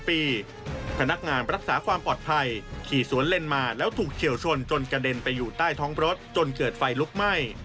พวกมันไปอยู่ใต้ท้องรถจนเกิดไฟลุกไหม้